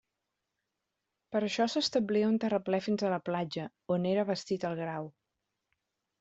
Per això s'establia un terraplè fins a la platja, on era bastit el grau.